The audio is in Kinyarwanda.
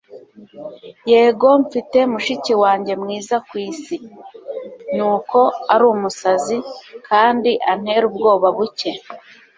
yego, mfite mushiki wanjye mwiza ku isi. ni uko ari umusazi kandi antera ubwoba buke